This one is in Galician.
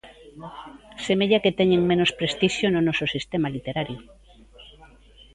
Semella que teñen menos prestixio no noso sistema literario.